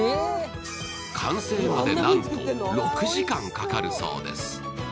完成までなんと６時間かかるそうです。